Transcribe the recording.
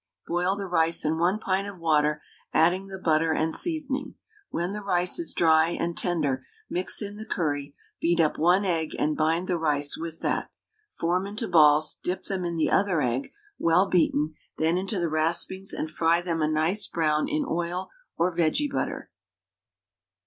Boil the rice in 1 pint of water, adding the butter and seasoning. When the rice is dry and tender mix in the curry, beat up 1 egg, and bind the rice with that. Form into balls, dip them in the other egg, well beaten, then into the raspings and fry them a nice brown in oil or vege butter.